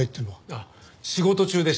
あっ仕事中でした。